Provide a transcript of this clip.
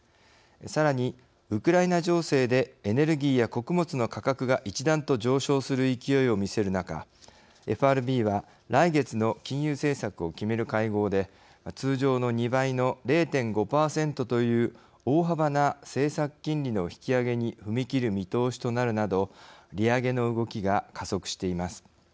さらに、ウクライナ情勢でエネルギーや穀物の価格が一段と上昇する勢いを見せる中ＦＲＢは来月の金融政策を決める会合で通常の２倍の０．５％という大幅な政策金利の引き上げに踏み切る見通しとなるなど利上げの動きが加速しています。